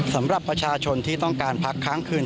สำหรับประชาชนที่ต้องการพักค้างคืน